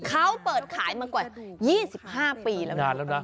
เขาเปิดขายมากว่า๒๕ปีแล้ว